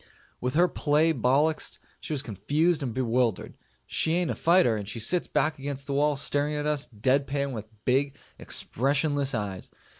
With her play bollixed, she was confused and bewildered. She ain't a fighter, and she sits back against the wall staring at us dead pan with big expressionless eyes.